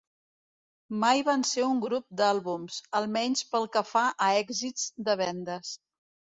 Mai van ser un grup d'àlbums, almenys pel que fa a èxit de vendes.